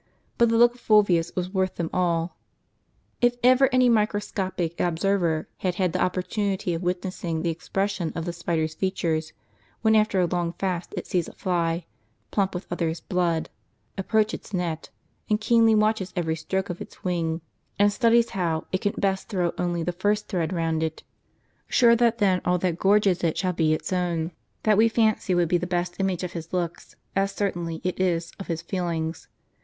But the look of Fulvius was worth them all. If ever any microscopic observer has had the opportunity of witnessing the expression of the spider's features, when, after a long fast, it sees a fly, plump with others' blood, approach its net, and keenly watches every stroke of its wing, and studies how it can best throw only * The heathen notion of the Blessed Eucharist. 195 crtr® w the first thread round it, sure that then all that gorges it shall be its own ; that we fancy would be the best image of his looks, as certainly it is of his feelings.